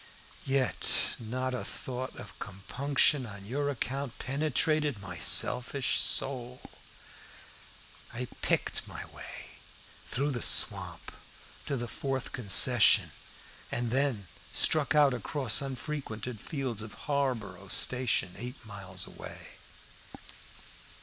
Yet, not a thought of compunction on your account penetrated my selfish soul. I picked my way through the swamp to the fourth concession, and then struck out across unfrequented fields for Harborough station, eight miles away.